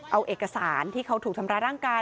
เอาเอกสารที่เขาถูกทำร้ายร่างกาย